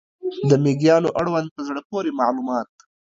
د مېږیانو اړوند په زړه پورې معلومات